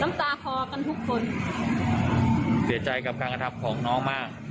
ตาคอกันทุกคนเสียใจกับการกระทำของน้องมาก